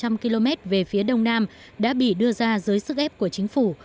ở xeongchu cách thủ đô seoul ba trăm linh km về phía đông nam đã bị đưa ra dưới sức ép của chính phủ